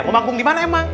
mau manggung dimana emang